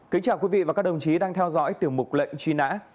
kính chào quý vị và các đồng chí đang theo dõi tiểu mục lệnh truy nã